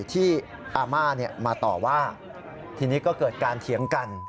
อาม่ามาต่อว่าทีนี้ก็เกิดการเถียงกัน